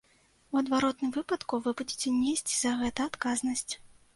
У адваротным выпадку вы будзеце несці за гэта адказнасць.